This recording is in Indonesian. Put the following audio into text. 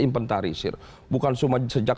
inventarisir bukan cuma sejak